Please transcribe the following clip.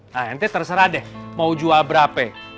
nah nanti terserah deh mau jual berapa